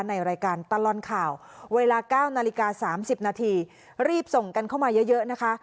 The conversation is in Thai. ในรายการตลอดข่าวเวลา๙นาฬิกา๓๐นาทีรีบส่งกันเข้ามาเยอะนะคะ